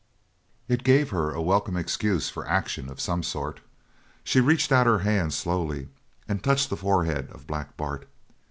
It gave her a welcome excuse for action of some sort; she reached out her hand, slowly, and touched the forehead of Black Bart.